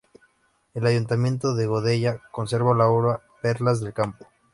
El ayuntamiento de Godella conserva la obra "Perlas del Campo".